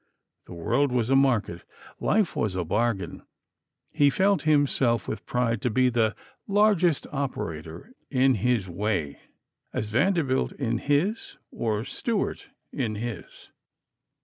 The world was a market. Life was a bargain. He felt himself with pride to be the largest operator in his way, as Vanderbilt in his, or Stewart in his.